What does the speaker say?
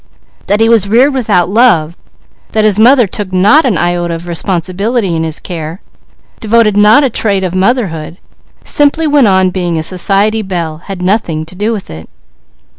That he was reared without love, that his mother took not an iota of responsibility in his care, developed not a trait of motherhood, simply went on being a society belle, had nothing to do with it.